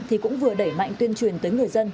thì cũng vừa đẩy mạnh tuyên truyền tới người dân